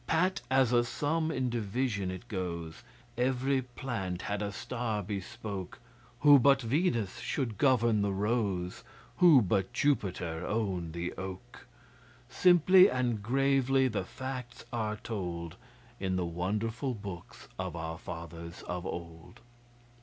Pat as a sum in division it goes (Every plant had a star bespoke) Who but Venus should govern the Rose? Who but Jupiter own the Oak? Simply and gravely the facts are told In the wonderful books of our fathers of old.